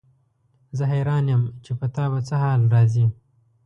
زه حیران یم چې په تا به څه حال راځي.